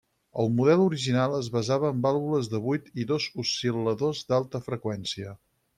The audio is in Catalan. El model original es basava en vàlvules de buit i dos oscil·ladors d'alta freqüència.